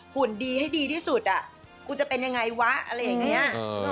หุ่นดีให้ดีที่สุดกูจะเป็นยังไงวะอะไรอย่างนี้